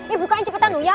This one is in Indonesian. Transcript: ibu kak yang cepetan oh ya